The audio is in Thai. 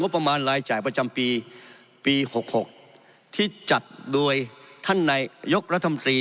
งบประมาณรายจ่ายประจำอายุประจำปี๖๖ที่จัดโดยท่านหนัยกรัฐมศธรี